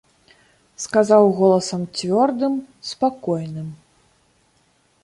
Сказаў голасам цвёрдым, спакойным.